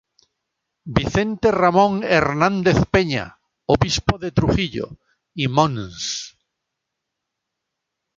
Vicente Ramón Hernández Peña, Obispo de Trujillo, y Mons.